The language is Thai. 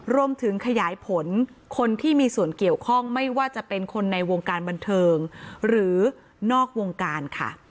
รวมถึงขยายผลคนที่มีส่วนเกี่ยวข้องไม่ว่าจะเป็นคนในวงการบันเทิงหรือนอกวงการค่ะ